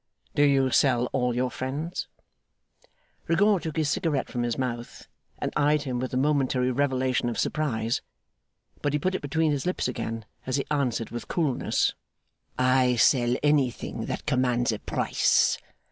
'Do you sell all your friends?' Rigaud took his cigarette from his mouth, and eyed him with a momentary revelation of surprise. But he put it between his lips again, as he answered with coolness: 'I sell anything that commands a price.